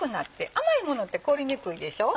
甘いものって凍りにくいでしょ？